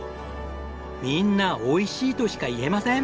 みんなおいしいとしか言えません！